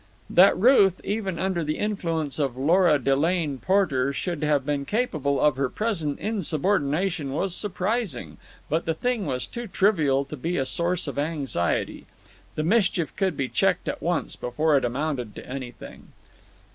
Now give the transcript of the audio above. That Ruth, even under the influence of Lora Delane Porter, should have been capable of her present insubordination, was surprising, but the thing was too trivial to be a source of anxiety. The mischief could be checked at once before it amounted to anything.